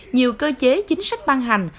nhiều cơ chế chính sách ban hành